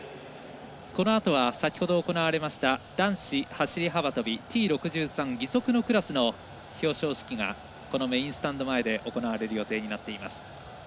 このあとは、先ほど行われました男子走り幅跳びＴ６３義足のクラスの表彰式がメインスタンド前で行われる予定になっています。